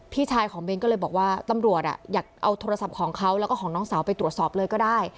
พี่ชายของเบ้นก็เลยบอกว่าตำรวจอยากเอาโทรศัพท์ของเขาแล้วก็ของน้องสาวไปตรวจสอบเลยก็ได้